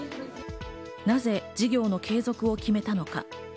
なぜ事業の継続を決めたのか。